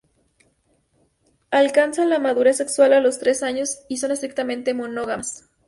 Alcanzan la madurez sexual a los tres años y son estrictamente monógamas.